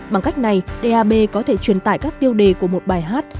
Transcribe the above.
bằng cách này dap có thể truyền tải các tiêu đề của một bài hát